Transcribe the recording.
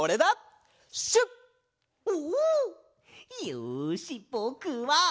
よしぼくは！